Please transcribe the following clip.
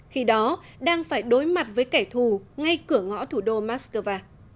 khi đó đang phải đối mặt với kẻ thù ngay cửa ngõ thủ đô moscow